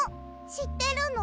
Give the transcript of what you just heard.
しってるの！？